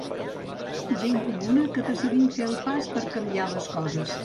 Gent comuna que decidim fer el pas per a canviar les coses.